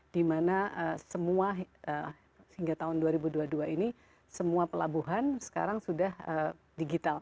dimana semua hingga tahun dua ribu dua puluh dua ini semua pelabuhan sekarang sudah digital